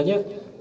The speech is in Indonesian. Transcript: saya mau tanya